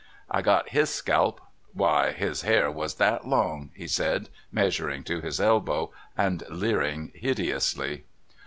I got his Bkelp — why, his har was that long," he said, meas u ring to his elbow, and leering hideously.